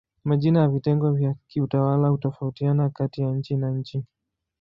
Majina ya vitengo vya kiutawala hutofautiana kati ya nchi na nchi.